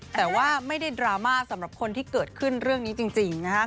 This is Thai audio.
แต่ว่าไม่ได้ดราม่าสำหรับคนที่เกิดขึ้นเรื่องนี้จริงนะครับ